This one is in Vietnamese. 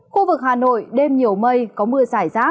khu vực hà nội đêm nhiều mây có mưa giải rác